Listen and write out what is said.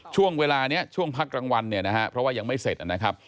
ช่วงเวลานี้ช่วงพักรางวัลเนี่ยนะฮะเพราะว่ายังไม่เสร็จนะครับ